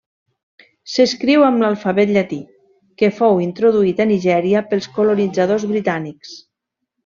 S'escriu amb l'alfabet llatí, que fou introduït a Nigèria pels colonitzadors britànics.